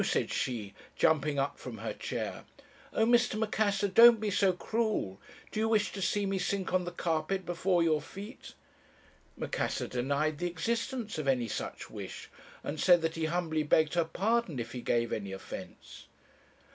said she, jumping up from her chair. 'Oh! Mr. Macassar, don't be so cruel. Do you wish to see me sink on the carpet before your feet?' "Macassar denied the existence of any such wish; and said that he humbly begged her pardon if he gave any offence.